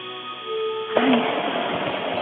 払います。